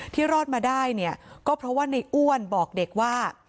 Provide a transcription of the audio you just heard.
รอดมาได้เนี่ยก็เพราะว่าในอ้วนบอกเด็กว่า